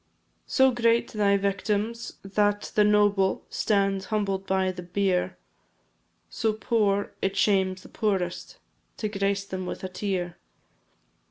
So great thy victims, that the noble Stand humbled by the bier; So poor, it shames the poorest To grace them with a tear.